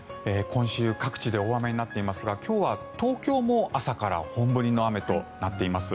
今週、各地で大雨になっていますが今日は東京も朝から本降りの雨となっています。